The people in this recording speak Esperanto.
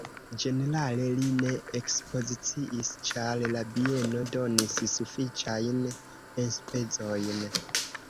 Ĝenerale li ne ekspoziciis, ĉar la bieno donis sufiĉajn enspezojn.